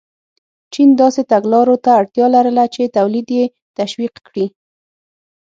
چین داسې تګلارو ته اړتیا لرله چې تولید یې تشویق کړي.